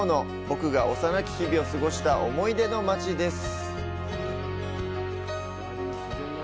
僕が幼き日々を過ごした思い出の町です。